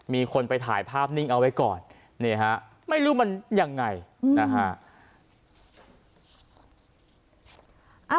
มีคนไปถ่ายภาพนิ่งเอาไว้ก่อนนี่ฮะไม่รู้มันยังไงนะฮะ